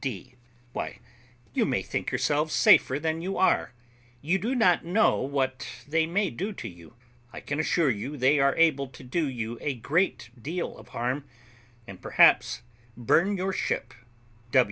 D. Why, you may think yourselves safer than you are; you do not know what they may do to you. I can assure you they are able to do you a great deal of harm, and perhaps burn your ship.